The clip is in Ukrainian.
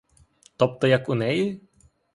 Тобто як у неї?